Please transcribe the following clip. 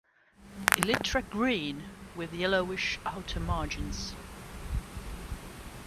Elytra green with yellowish outer margins.